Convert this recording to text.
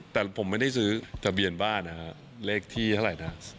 แต่ผมไม่ได้ซื้อทะเบียนบ้านนะฮะเลขที่เท่าไหร่นะ